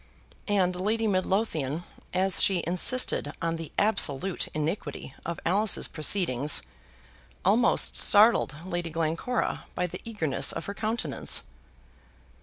And Lady Midlothian, as she insisted on the absolute iniquity of Alice's proceedings, almost startled Lady Glencora by the eagerness of her countenance.